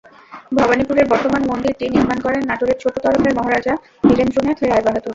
ভবানীপুরের বর্তমান মন্দিরটি নির্মাণ করেন নাটোরের ছোট তরফের মহারাজা বীরেন্দ্রনাথ রায় বাহাদুর।